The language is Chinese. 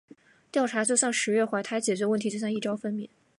调查就像“十月怀胎”，解决问题就像“一朝分娩”。